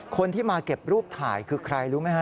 คนที่มาเก็บรูปถ่ายคือใครรู้ไหมฮะ